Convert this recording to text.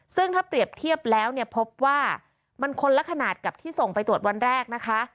ซึ่งถ้าเปรียบเทียบแล้วเนี่ยพบว่ามันคนละขนาดกับที่ส่งไปตรวจวันแรกนะคะ